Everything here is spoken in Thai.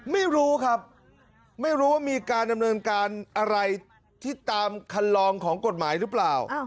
ไม่รู้ครับไม่รู้ว่ามีการดำเนินการอะไรที่ตามคันลองของกฎหมายหรือเปล่า